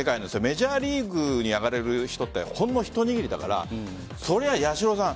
メジャーリーグに上がれる人ってほんの一握りだからそれは八代さん